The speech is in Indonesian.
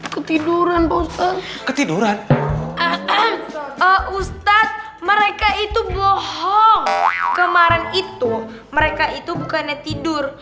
ketiduran bosan ketiduran ustadz mereka itu bohong kemarin itu mereka itu bukannya tidur